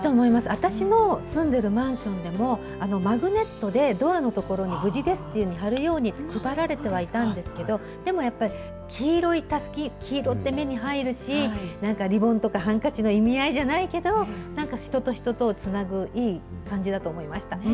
私も、住んでるマンションでも、マグネットでドアの所に無事ですというのを貼るように配られてはいたんですけど、でもやっぱり、黄色いたすき、黄色って目に入るし、なんか、リボンとかハンカチの意味合いじゃないけど、なんか人と人とをつなぐ、いい感じだと思いました。